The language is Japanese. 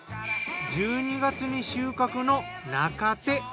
１２月に収穫の中生。